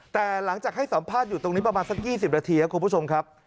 แต่หลังจากให้สัมภาษณ์อยู่ตรงนี้ประมาณสัก๒๐นาทีครับคุณผู้ชมครับ